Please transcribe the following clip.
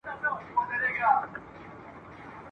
خو قوت یې وو زبېښلی څو کلونو ..